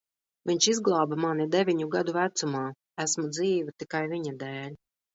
Viņš izglāba mani deviņu gadu vecumā. Esmu dzīva tikai viņa dēļ.